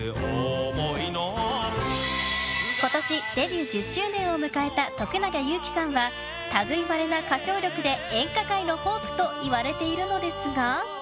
今年デビュー１０周年を迎えた徳永ゆうきさんは類いまれな歌唱力で演歌界のホープといわれているのですが。